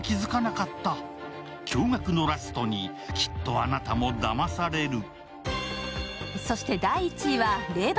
驚がくのラストにきっとあなたもだまされる。